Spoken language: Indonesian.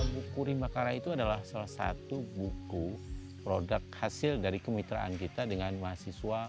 buku rimbakara itu adalah salah satu buku produk hasil dari kemitraan kita dengan mahasiswa